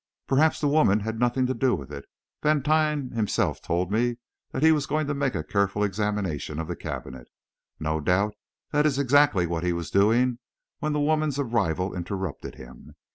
"Perhaps the woman had nothing to do with it. Vantine himself told me that he was going to make a careful examination of the cabinet. No doubt that is exactly what he was doing when the woman's arrival interrupted him.